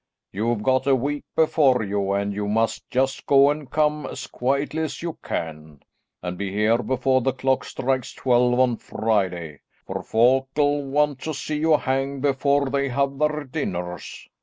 You've got a week before you, and you must just go and come as quietly as you can, and be here before the clock strikes twelve on Friday, for folk'll want to see you hanged before they have their dinners.'